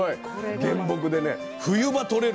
原木で冬場取れる。